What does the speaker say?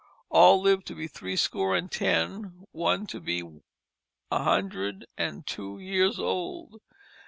All lived to be threescore and ten, one to be a hundred and two years old.